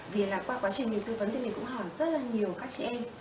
vì là qua quá trình mình tư vấn thì mình cũng hỏi rất là nhiều các chị em